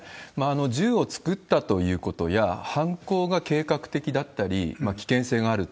銃を作ったということや、犯行が計画的だったり、危険性があると。